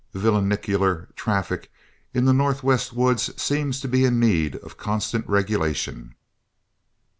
Villainicular traffic in the Northwest woods seems to be in need of constant regulation.